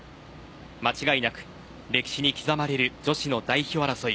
間違いなく歴史に刻まれる女子の代表争い。